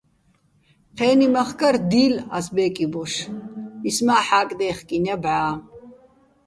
ჴე́ნი მახკარ დი́ლ ას ბე́კი ბოშ, ის მა́ ჰ̦აკდე́ხკინო̆ ჲა ბჵა́.